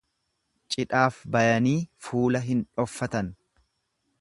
Cidhaaf bayanii fuula hin dhoffatan.